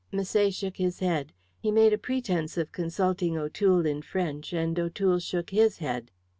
Misset shook his head; he made a pretence of consulting O'Toole in French, and O'Toole shook his head.